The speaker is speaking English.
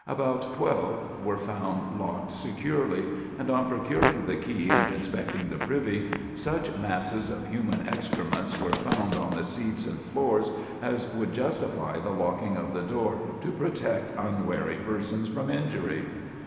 About twelve were found locked securely, and on procuring the key and inspecting the privy, such masses of human excrements were found on the seats and floors as would justify the locking of the door to protect unwary persons from injury.